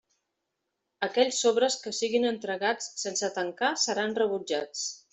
Aquells sobres que siguen entregats sense tancar seran rebutjats.